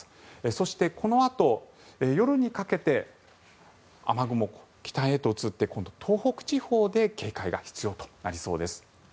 そして、このあと夜にかけて雨雲、北へと移って今度は東北地方で警戒が必要となりそうです。